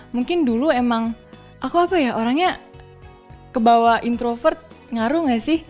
mungkin dulu emang aku apa ya orangnya kebawa introvert ngaruh gak sih